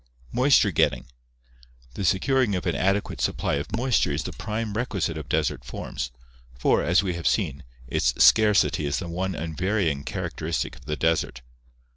Moisture getting The securing of an adequate supply of moisture is the prime requisite of desert forms, for, as we have seen, its scarcity is the one unvarying characteristic of the desert.